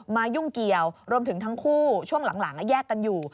ยุ่งเกี่ยวรวมถึงทั้งคู่ช่วงหลังแยกกันอยู่